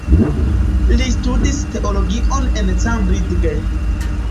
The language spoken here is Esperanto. Li studis teologion en Cambridge.